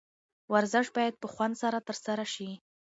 ورزش باید په خوند سره ترسره شي.